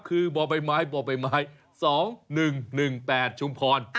คือบ่อใบไม้๒๑๑๘ชุมพร